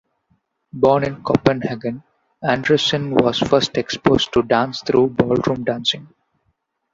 Born in Copenhagen, Andersen was first exposed to dance through ballroom dancing.